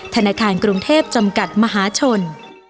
สงกรานภาคใต้